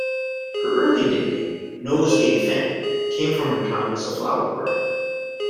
Her early nickname, Nosegay Fan, came from her time as a flower girl.